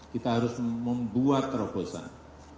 kita harus membuat terobosan